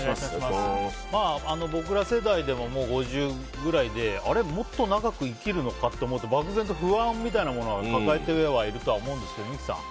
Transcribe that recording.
僕ら世代でも５０ぐらいであれ、もっと長く生きるのかって思うと漠然と不安みたいなものを抱えてはいると思うんですけど三木さん